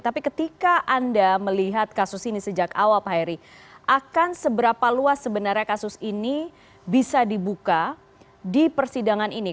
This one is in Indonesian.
tapi ketika anda melihat kasus ini sejak awal pak heri akan seberapa luas sebenarnya kasus ini bisa dibuka di persidangan ini